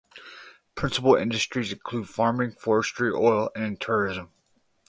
Principal industries include farming, forestry, oil, and tourism.